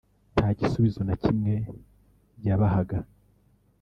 nta gisubizo na kimwe yabahaga